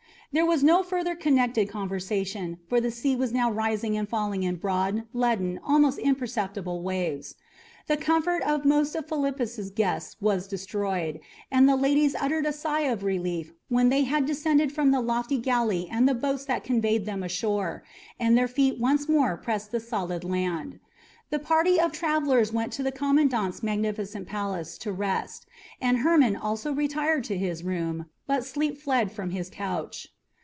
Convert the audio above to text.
There was no further connected conversation, for the sea was now rising and falling in broad, leaden, almost imperceptible waves. The comfort of most of Philippus's guests was destroyed, and the ladies uttered a sigh of relief when they had descended from the lofty galley and the boats that conveyed them ashore, and their feet once more pressed the solid land. The party of travellers went to the commandant's magnificent palace to rest, and Hermon also retired to his room, but sleep fled from his couch.